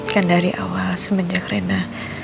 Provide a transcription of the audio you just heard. kan dari awal semenjak rena